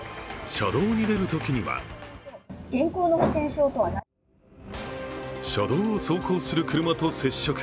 車道に出るときには車道を走行する車と接触。